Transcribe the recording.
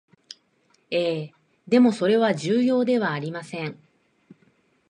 ええ、でもそれは重要ではありません